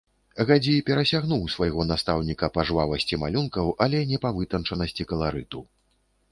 Гадзі перасягнуў свайго настаўніка па жвавасці малюнкаў, але не па вытанчанасці каларыту.